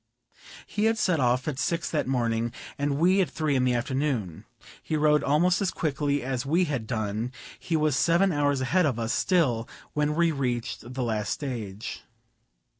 He had set off at six that morning, and we at three in the afternoon. He rode almost as quickly as we had done; he was seven hours a head of us still when we reached the last stage.